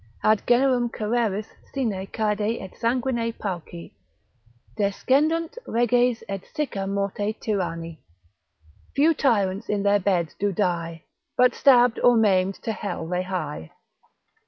Ad generum Cereris sine caede et sanguine pauci Descendunt reges et sicca morte tyranni. Few tyrants in their beds do die, But stabb'd or maim'd to hell they hie.